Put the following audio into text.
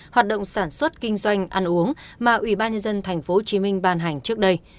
hoạt động sản xuất kinh doanh ăn uống mà ubnd tp hcm ban hành trước đây